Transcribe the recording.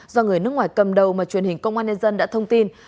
do người nước ngoài cầm đầu mà truyền hình công an nhân dân đã thông tin